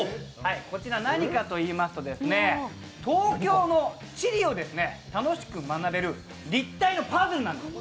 何かといいますと東京の地理を楽しく学べる立体のパズルなんです。